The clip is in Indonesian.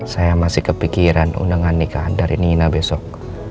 saya masih kepikiran undangan nikahan dari nina besok